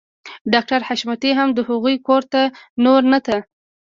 ډاکټر حشمتي هم د هغوی کور ته نور نه ته